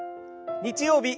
日曜日